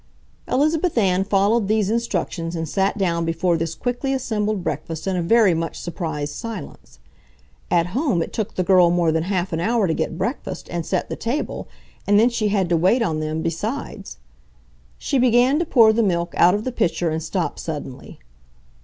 Elizabeth Ann followed these instructions and sat down before this quickly assembled breakfast in a very much surprised silence. At home it took the girl more than half an hour to get breakfast and set the table, and then she had to wait on them besides. She began to pour the milk out of the pitcher and stopped suddenly.